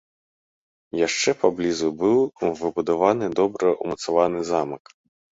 Яшчэ паблізу быў выбудаваны добра ўмацаваны замак.